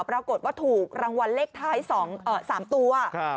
ปรากฏว่าถูกรางวัลเลขท้าย๒๓ตัว